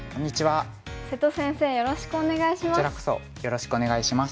瀬戸先生よろしくお願いします。